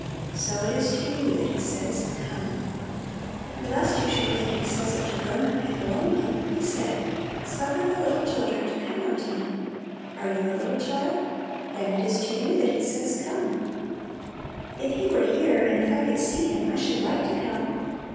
So it is to you that He says " Come !" And lest you should think He says it to grown up people only, He said, " Suffer the little children to come unto me." Are you a little child? Then it is to you that He says " Come 1 "" If He were here, and if I could see Him, I should like to come."